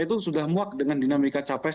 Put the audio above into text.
itu sudah muak dengan dinamika capres